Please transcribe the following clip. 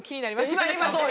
今今そう。